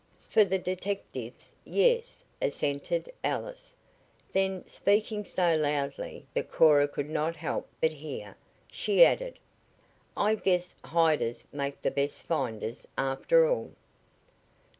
"For the detectives yes," assented Alice. Then, speaking so loudly that Cora could not help but hear, she added: "I guess hiders make the best finders, after all."